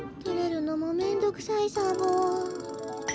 てれるのもめんどくさいサボ。